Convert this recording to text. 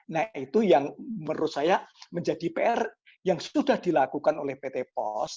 nah itu yang menurut saya menjadi pr yang sudah dilakukan oleh pt pos